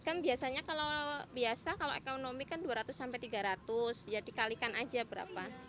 kan biasanya kalau ekonomi kan dua ratus tiga ratus ya dikalikan aja berapa